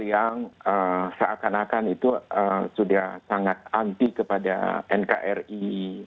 yang seakan akan itu sudah sangat anti kepada nkri